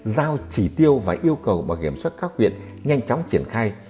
giao chỉ tiêu và yêu cầu bảo hiểm xuất các huyện nhanh chóng triển khai